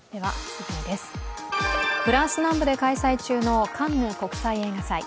フランス南部で開催中のカンヌ国際映画祭。